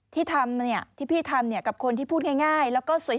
ที่ทำเนี่ยที่พี่ทำเนี่ยกับคนที่พูดง่ายแล้วก็สวย